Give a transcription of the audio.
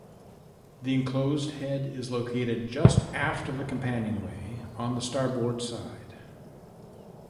The enclosed head is located just aft of the companionway on the starboard side.